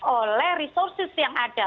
oleh resources yang ada